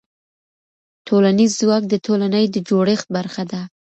ټولنیز ځواک د ټولنې د جوړښت برخه ده.